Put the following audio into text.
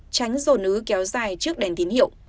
tránh dồn ứ kéo dài trước đèn tín hiệu